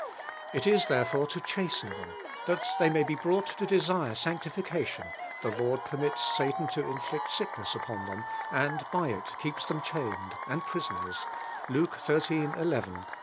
It is therefore to chasten thi'in— (liar they may be brought to desire sanctiflcalion — the. Lord, permits. Sat an to inflict sick nej w upon I In gild by ii keeps them chained and prison ers (Luke xiii. 11, 18).